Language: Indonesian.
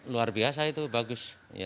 luar biasa itu bagus